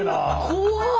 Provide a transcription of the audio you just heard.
怖っ！